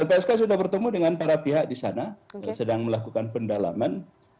lpsk sudah bertemu dengan para pihak di sana sedang melakukan pendalaman